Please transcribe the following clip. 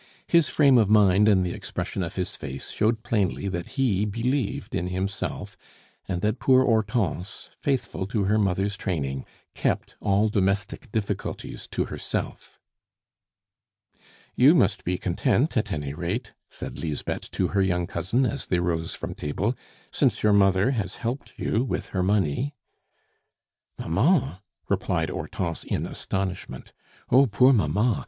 His frame of mind and the expression of his face showed plainly that he believed in himself, and that poor Hortense, faithful to her mother's training, kept all domestic difficulties to herself. "You must be content, at any rate," said Lisbeth to her young cousin, as they rose from table, "since your mother has helped you with her money." "Mamma!" replied Hortense in astonishment. "Oh, poor mamma!